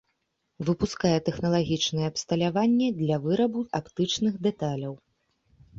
Выпускае тэхналагічнае абсталяванне для вырабу аптычных дэталяў.